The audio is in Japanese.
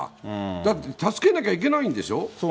だって、助けなきゃいけないんでしょう。